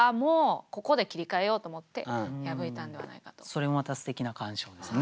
それもまたすてきな鑑賞ですね。